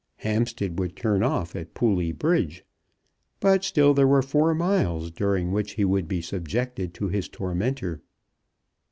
Hampstead would turn off at Pooley Bridge. But still there were four miles, during which he would be subjected to his tormentor.